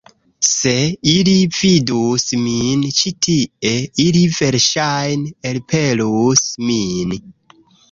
Se ili vidus min ĉi tie, ili verŝajne elpelus min.